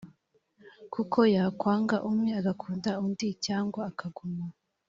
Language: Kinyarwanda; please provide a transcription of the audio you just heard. kuko yakwanga umwe agakunda undi b cyangwa akaguma